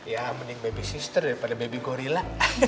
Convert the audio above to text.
ya mending babysister daripada baby gorilla